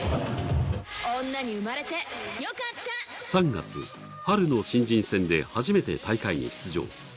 ３月、春の新人戦で初めて大会へ出場。